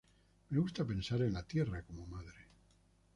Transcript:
Me gusta pensar en la Tierra como madre.